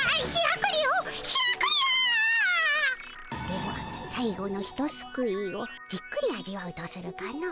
では最後のひとすくいをじっくり味わうとするかの。